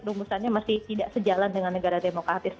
rumusannya masih tidak sejalan dengan negara demokratis